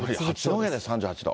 八戸で３８度。